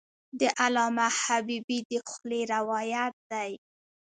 د علامه حبیبي د خولې روایت دی.